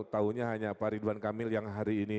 tahunya hanya pak ridwan kamil yang hari ini